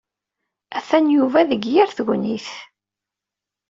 Atan Yuba deg yir tegnit.